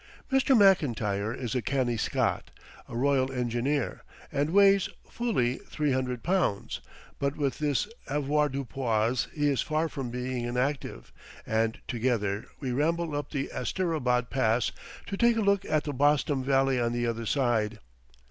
Mr. Mclntyre is a canny Scot, a Royal Engineer, and weighs fully three hundred pounds; but with this avoirdupois he is far from being inactive, and together we ramble up the Asterabad Pass to take a look at the Bostam Valley on the other side.